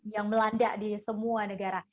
yang melanda di semua negara